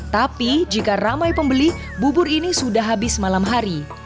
tapi jika ramai pembeli bubur ini sudah habis malam hari